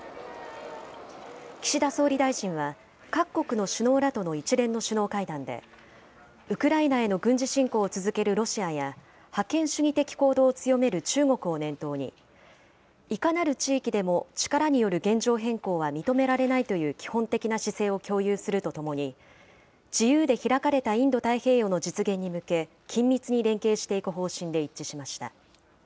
岸田総理大臣は、各国の首脳らとの一連の首脳会談で、ウクライナへの軍事侵攻を続けるロシアや、覇権主義的行動を強める中国を念頭に、いかなる地域でも、力による現状変更は認められないという基本的な姿勢を共有するとともに、自由で開かれたインド太平洋の実現に向け、緊密に連携していく方針で一致しました。